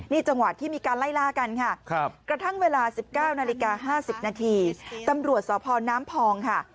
นี่จังหวะที่มีการไล่ล่ากันค่ะกระทั่งเวลา๑๙นาฬิกา๕๐นาทีตำรวจสพน้ำพองค่ะ